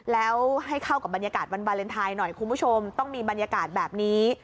แล้วให้เข้ากับบรรยากาศวันวาเลนไทยหน่อยคุณผู้ชมต้องมีบรรยากาศแบบนี้